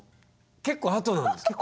結構あとなんですか？